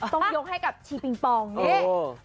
ต้องยกให้กับชีปิงปองนี่